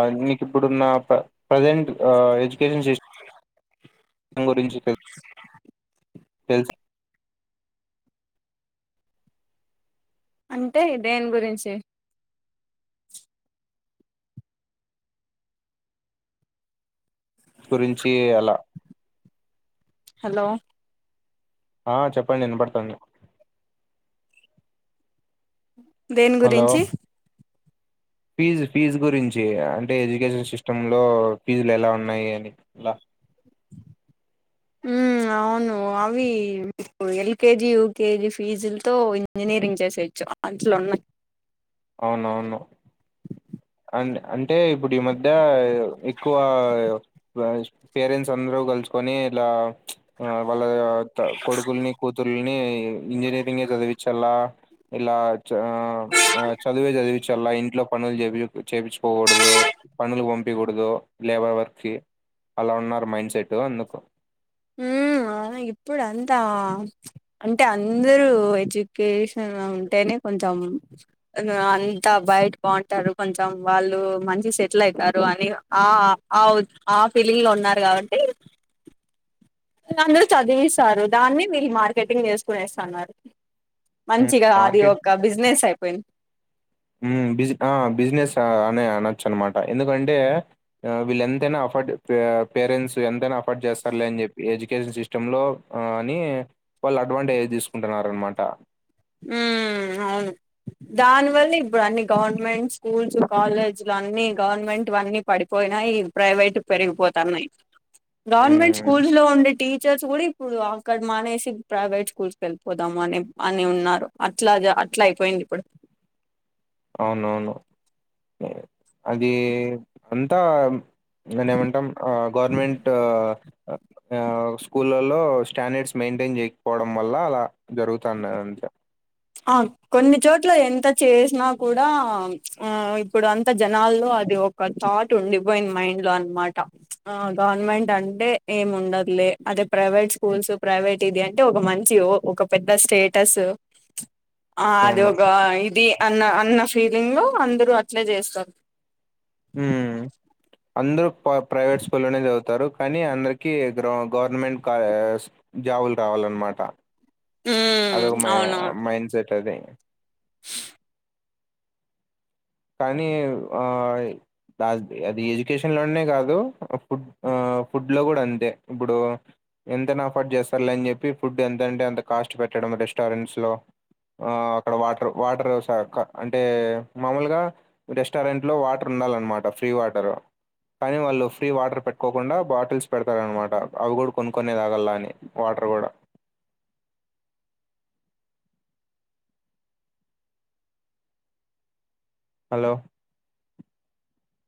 అద్ నీకు ఇప్పుడు నాపా ప్రజెంట్ ఆ ఎడ్యుకేషన్ చిష్ ఆగురించి తెల్ తెల్స్ అంటే దేని గురించి గురించి అలా హలో ఆ చెప్పండి ఇనపాడుతుంది. దేని హలో గురించి ఫీజు ఫీజు గురించి అంటే ఎడ్యుకేషన్ సిస్టమ్లో ఫీజులు ఎలా ఉన్నాయి అని లా ఉమ్ అ అవును అవి ఇప్పుడు ఎల్కేజీ యూకేజి ఫీజులతో ఇంజనీరింగ్ చేసేయోచ్చు అంట్లో ఉన్నయ్. అవునవును అండ్ అంటే ఇప్పుడు ఈ మధ్య ఎక్కువ ప్లాచ్ పేరెంట్స్ అందరు గలుసుకొని ఇలా ఆ వాళ్ళ కొడుకుల్ని కూతుర్ల్ని ఇంజనీరింగే చదివిచ్చలా. ఇలాచ్ ఆ చదివే చదివిచల్లా ఇంట్లో పనులు జెపియ్ చేపిచుకోకూడదు. పనులు వాపియకూడదు. లేబర్ వర్క్ కి అలా ఉన్నారు మైండ్ సెట్ అందుకు ఉహ్ అవును ఇప్పుడు అంతా అంటే అందరు ఎడ్యుకేషన్ ఉంటేనే కొంచెం అంద్ బయట్ బావుంటారు. కొంచెం వాళ్ళు మంచి సెటిలైతారు అని ఆ ఆ అవుత్ ఆ ఫీలింగ్ లో ఉన్నారు గవట్టి నదరు చదివిసారు దాన్ని మీరు మార్కెటింగ్ జేసుకునేస్తున్నారు. మంచిగా అది మార్కెట్ ఒక బిజినెస్ అయిపోయద్ ఉహ్మ్ బిజ్ ఆ బిజినెస్ అనే అనొచ్చు అనమాట ఎందుకంటే ఆ వీళ్ళు ఎంతైనా అఫర్డ్ పేరెంట్స్ ఎంతైనా అఫర్ట్ జేస్తారులే అని జేప్పి ఎడ్యుకేషన్ సిస్ చంలో ఆ అని వాళ్ళు అడ్వాంటేజ్ దిసుకుంటున్నారు అనమాట. ఉహ్ అవును దానివలనే ఇప్పుడు అన్ని గవర్నమెంట్ స్కూల్స్, కాలేజ్లు అన్ని గవర్నమెంట్వన్నీ పడిపోయినాయి. ప్రైవేట్ పెరిగిపోతన్నాయ్. గవర్నమెంట్ హ్మ్. స్కూల్స్ లో ఉండే టీచర్స్ గూడా ఇ ప్పుడు అక్కడ మానేసి ప్రైవేట్ స్కూల్స్ కి ఏళ్ళిపోదామా అనే ఆన్ నే ఉన్నారు అట్లాజ్ అట్లా అయిపోయింది ఇప్పుడు అవునవును ఉ అది అంతా దన్ ఏమంటాం ఆ గవర్నమెంటో ఆ స్కూళ్ళలో స్టాండర్డ్స్ మెయింటైన్ జేయకపోవడం వల్ల అలా జరుగుతన్నాయ్ అంతే అవున్ కొన్ని చోట్లా ఎంత చేశినా కూడా ఆ ఇప్పుడు అంత జనాల్లో అది ఒక్. ఒక థాట్ ఉండిపోయింది మైండ్ లో అన్మాట. ఆ గవర్నమెంట్ అంటే ఏమి ఉండదులే అదే ప్రైవేట్ స్కూల్సు ప్రైవేట్ ఇది అంటే ఒక మంచి ఓ. ఒక పెద్ద స్టేటస్ ఆ అది అవును. ఒకా ఇదీ అన్న అన్న ఫీలింగు అందరూ అట్నే చేస్తరు. ఊ అందరూ ప్రైవేట్ స్కూల్లోనే చదువుతారు. కానీ అందరికీ గ్రౌ గవర్నమెంట్ స్క్ జాబులు రావాలన్నమాటా. అద హ్మ్. ఒక మై అవునవును. మైండ్ సెట్ అదీ. కానీ ఆ అది ఎడ్యుకేషన్ లోనే కాదు ఫుడ్ ఆ ఫుడ్ లో గూడా అంతే ఇప్పుడూ. ఎంతైనా అఫర్డ్ చేస్తారులే అని చెప్పి ఫుడ్ ఎంతంటే అంత కాస్ట్ పెట్టడం రెస్టారెంట్స్ లో. ఆ అక్కడ వాటర్ వాటర్ స క అంటే మామూలుగా. రెస్టారెంట్ లో వాటర్ ఉండాలన్నమాట ఫ్రీ వాటరు. కానీ వాళ్ళు ఫ్రీ వాటర్ పెట్టుకోకుండా బాటిల్స్ పెడతారనుమాట అవి కూడా కొను కొనే తాగలా అని వాటర్ గూడా. హలో